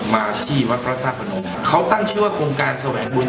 มาที่วัดพระธาตุพนมเขาตั้งชื่อว่าโครงการแสวงบุญ